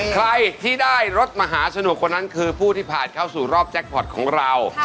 ใครที่ได้รถมหาสนุกคนนั้นคือผู้ที่ผ่านเข้าสู่รอบแจ็คพอร์ตของเรา